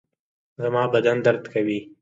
زما بدن درد کوي